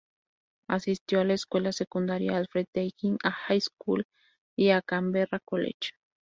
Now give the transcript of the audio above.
Asistió a la Escuela Secundaria Alfred Deakin High School y a Canberra College.